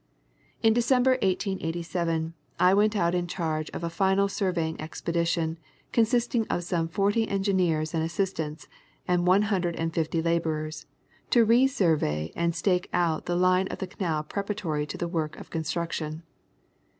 In December, 1887, I went out in charge of a final surveying expedition, consisting of some forty engineers and assistants and one hundred and fifty laborers, to resurvey and stake out the line of the canal preparatory to the work of construction.